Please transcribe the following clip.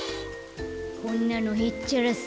こんなのへっちゃらさ。